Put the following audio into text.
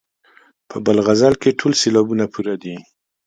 په بل غزل کې ټول سېلابونه پوره دي.